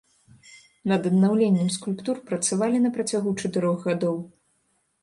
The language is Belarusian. Над аднаўленнем скульптур працавалі на працягу чатырох гадоў.